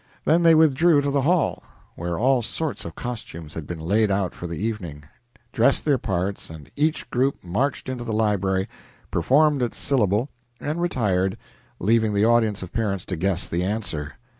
Then they withdrew to the hall, where all sorts of costumes had been laid out for the evening, dressed their parts, and each group marched into the library, performed its syllable, and retired, leaving the audience of parents to guess the answer.